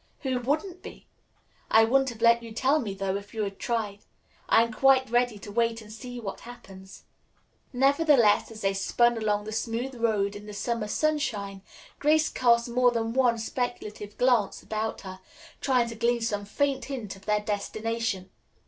"Who wouldn't be? I wouldn't have let you tell me, though, if you had tried. I am quite ready to wait and see what happens." Nevertheless, as they spun along the smooth road in the summer sunshine, Grace cast more than one speculative glance about her, trying to glean some faint hint of their destination.